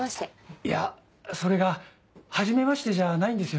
いやそれがはじめましてじゃないんですよ。